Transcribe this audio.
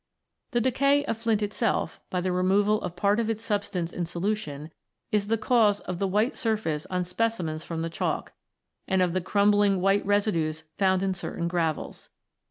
The decay of flint itself, by the removal of part of its substance in solution, is the cause of the white surface on specimens from the Chalk, and of the crumbling white residues found in certain gravels.